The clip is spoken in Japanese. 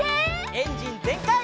エンジンぜんかい！